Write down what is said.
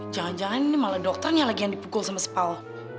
jangan jangan ini malah dokternya lagi yang dipukul sama spal